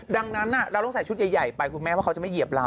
ดังนั้นเราต้องใส่ชุดใหญ่ไปคุณแม่ว่าเขาจะไม่เหยียบเรา